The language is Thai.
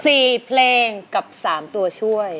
เพลงกับสามตัวช่วย